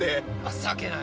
情けない！